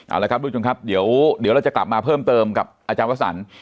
เอาละครับทุกผู้ชมครับเดี๋ยวเราจะกลับมาเพิ่มเติมกับอาจารย์วสัน